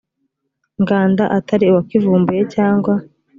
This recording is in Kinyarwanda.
nganda atari uwakivumbuye cyangwa